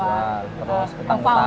beasiswa terus utang utang